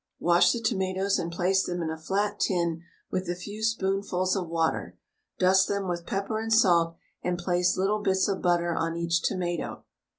Wash the tomatoes and place them in a flat tin with a few spoonfuls of water; dust them with pepper and salt, and place little bits of butter on each tomato.